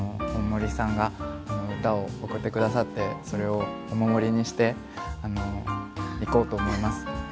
大森さんが歌を贈って下さってそれをお守りにしていこうと思います。